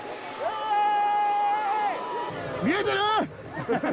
見えてる？